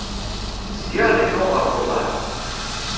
Zgiɣ leḥḥuɣ ɣef uḍar.